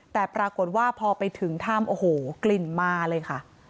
แต่ปรากฏว่าพอไปถึงถ้ำโอ้โหกลิ่นมาเลยค่ะ